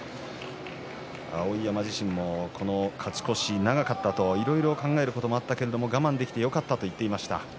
碧山自身もこの勝ち越し長かったのでいろいろ考えることもあったが我慢できてよかったと話していました。